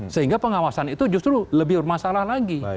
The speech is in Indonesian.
sehingga pengawasan itu justru lebih bermasalah lagi